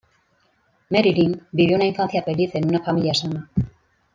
Marilyn vivió una infancia feliz en una familia sana.